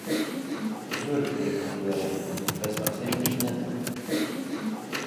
زۆرم پێ گۆتی وەرە، بەس بە قسەی منت نەکرد.